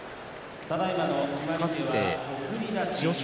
かつて千代翔